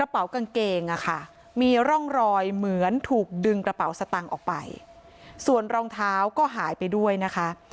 ปล่อยเหมือนถูกดึงกระเป๋าสตังค์ออกไปส่วนรองเท้าก็หายไปด้วยนะคะ